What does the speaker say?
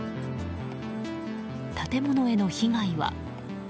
建物への被害は。